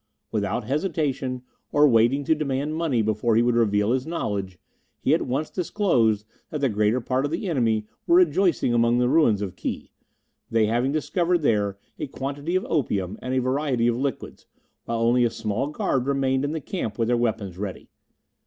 Without hesitation or waiting to demand money before he would reveal his knowledge, he at once disclosed that the greater part of the enemy were rejoicing among the ruins of Ki, they having discovered there a quantity of opium and a variety of liquids, while only a small guard remained in the camp with their weapons ready.